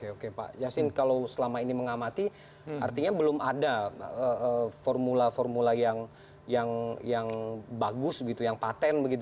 oke pak yasin kalau selama ini mengamati artinya belum ada formula formula yang bagus begitu yang patent begitu